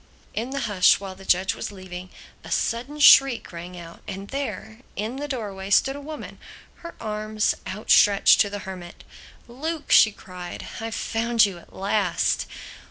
In the hush while the judge was leaving, a sudden shriek rang out, and there, in the doorway stood a woman, her arms out stretched to the Hermit. "Luke!" she cried, "I've found you at last!"